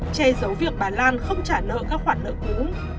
che giấu việc bà lan không trả nợ các khoản nợ cũ